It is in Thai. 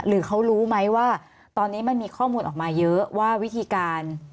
หรือเขารู้ไหมว่าตอนนี้มันมีข้อมูลออกมาเยอะว่าวิธีการ